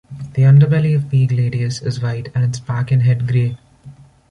The underbelly of P. gladius is white, and its back and head grey.